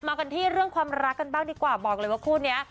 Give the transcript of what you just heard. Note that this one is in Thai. กันที่เรื่องความรักกันบ้างดีกว่าบอกเลยว่าคู่นี้